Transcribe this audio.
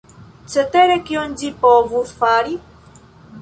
Cetere, kion ĝi povus fari?